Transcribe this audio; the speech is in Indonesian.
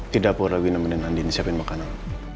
di dapur lagi nemenin andi siapin makanan